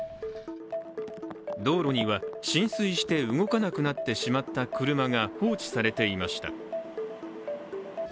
道路には浸水して動かなくなってしまった車が放置されていました。